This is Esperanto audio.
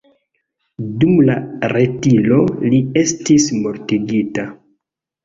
Dum la retiro, li estis mortigita.